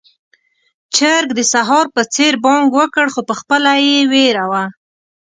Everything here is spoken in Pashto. چرګ د سهار په څېر بانګ وکړ، خو پخپله يې وېره وه.